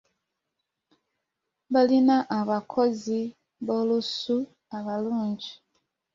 Baalina abakozi b'olusu abalungi.